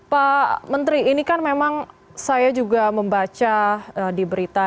pak menteri ini kan memang saya juga membaca di berita